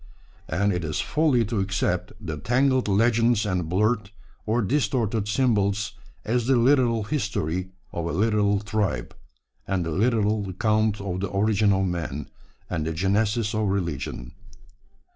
And it is folly to accept the tangled legends and blurred or distorted symbols as the literal history of a literal tribe, and the literal account of the origin of man, and the genesis of religion.